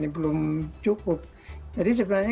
belum cukup jadi sebenarnya